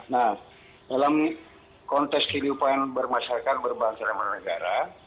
nah dalam kontes kehidupan bermasyarakat berbangsa dan negara